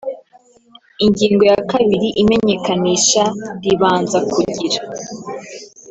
Ingingo ya kabiri Imenyekanisha ribanza kugira